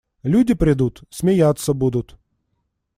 Люди придут – смеяться будут.